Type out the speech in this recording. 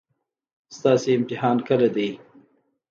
ستاسو امتحان کله دی؟